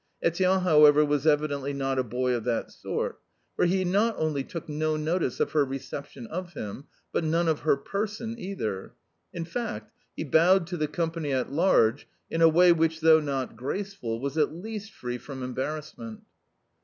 Etienne, however, was evidently not a boy of that sort, for he not only took no notice of her reception of him, but none of her person either. In fact, he bowed to the company at large in a way which, though not graceful, was at least free from embarrassment.